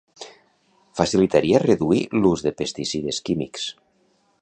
facilitaria reduir l'ús de pesticides químics